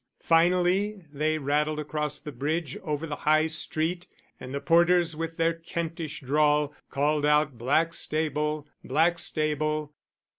Finally they rattled across the bridge over the High Street; and the porters with their Kentish drawl, called out, "Blackstable, Blackstable."